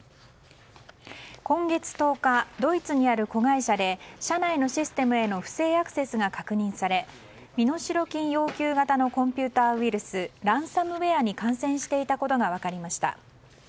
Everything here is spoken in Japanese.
今月１０日ドイツにある子会社で社内のシステムへの不正アクセスが確認され身代金要求型のコンピューターウイルスランサムウェアに感染していたことが分かりました。